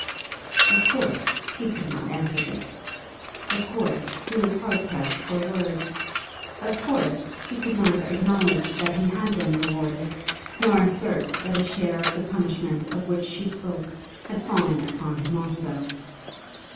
Of course he could not answer this. Of course he was hard pressed for words. Of course he could neither acknowledge that he had been rewarded, nor assert that a share of the punishment of which she spoke had fallen upon him also.